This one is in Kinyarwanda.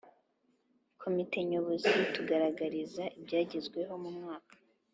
Komite nyobozi itugaragariza ibyagezweho mu mwaka